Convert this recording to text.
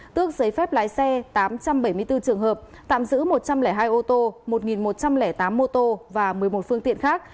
tước giấy phép lái xe tám trăm bảy mươi bốn trường hợp tạm giữ một trăm linh hai ô tô một một trăm linh tám mô tô và một mươi một phương tiện khác